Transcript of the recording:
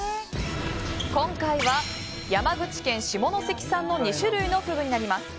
今回は、山口県下関市産の２種類のフグになります。